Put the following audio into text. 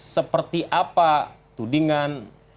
seperti apa tudingan